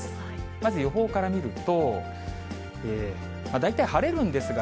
まず予報から見ると、大体晴れるんですが、